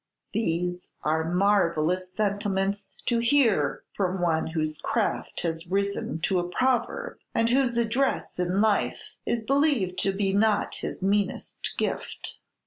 "These are marvellous sentiments to hear from one whose craft has risen to a proverb, and whose address in life is believed to be not his meanest gift."